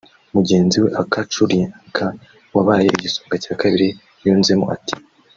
Mugenzi we Akacu Lynca wabaye igisonga cya kabiri yunzemo ati